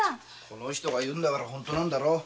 この人が言うんだから本当なんだろう。